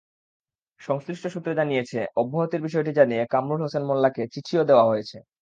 সংশ্লিষ্ট সূত্র জানিয়েছে, অব্যাহতির বিষয়টি জানিয়ে কামরুল হোসেন মোল্লাকে চিঠিও দেওয়া হয়েছে।